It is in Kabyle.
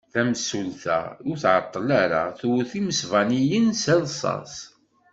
Tamsulta ur tɛeṭṭel ara twet imesbaniyen s rrṣas.